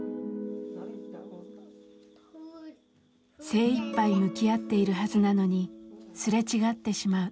精いっぱい向き合っているはずなのにすれ違ってしまう。